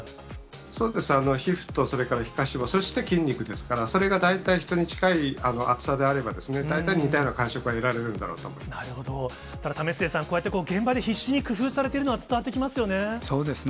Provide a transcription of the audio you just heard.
そうですね、皮膚と、それから皮下脂肪、そして筋肉ですから、それが大体、人に近い厚さであれば、大体似たような感触は得られただ、為末さん、現場で必死に工夫されているのは伝わってきますよね。